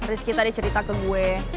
rizky tadi cerita ke gue